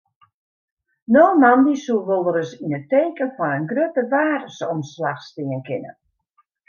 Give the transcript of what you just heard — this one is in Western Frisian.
No moandei soe wolris yn it teken fan in grutte waarsomslach stean kinne.